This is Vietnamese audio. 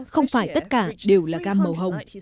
không phải tất cả đều là gam màu hồng